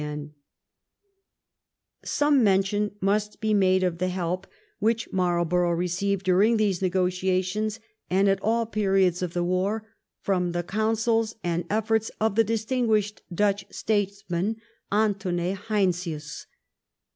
se4 WHAT THE WAR WAS COMING TO Some mention must be made of the help which Marlborough received, during these negotiations and at all periods of the war, from the counsels and the efforts of the distinguished Dutch statesman, Anthony Heinsius.